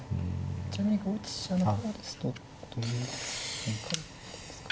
ちなみに５一飛車の方ですとどういう変化に。